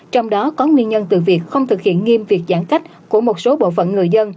trong đó có nguyên nhân từ việc không thực hiện nghiêm việc giãn cách của một số bộ phận người dân